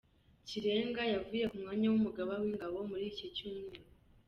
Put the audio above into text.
Chiwenga yavuye ku mwanya w’Umugaba w’Ingabo muri iki cyumweru.